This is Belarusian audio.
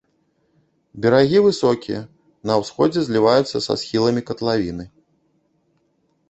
Берагі высокія, на ўсходзе зліваюцца са схіламі катлавіны.